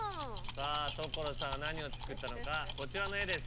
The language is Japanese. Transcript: さぁ所さんは何を作ったのかこちらの絵です。